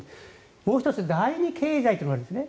もう１つ、第２経済というのがあるんですね。